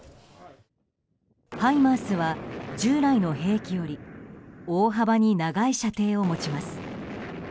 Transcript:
ハイマースは従来の兵器より大幅に長い射程を持ちます。